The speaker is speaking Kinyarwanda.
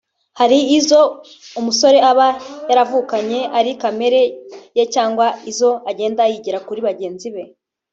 Hari izo umusore aba yaravukanye ari kamere ye cyangwa izo agenda yigira kuri bagenzi be